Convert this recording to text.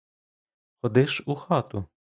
Ходи ж у хату.